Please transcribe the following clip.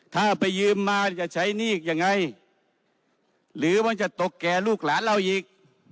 ถ้าไปยืมมาจะใช้หนี้ยังไงหรือมันจะตกแก่ลูกหลานเราอีก